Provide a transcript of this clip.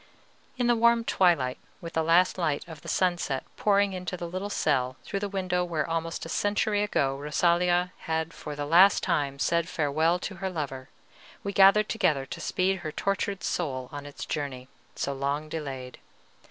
In the warm twilight, with the last light of the sunset pouring into the little cell through the window where almost a century ago Rosalia had for the last time said farewell to her lover, we gathered together to speed her tortured soul on its journey, so long delayed.